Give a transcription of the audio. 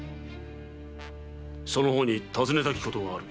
その方に尋ねたきことがある。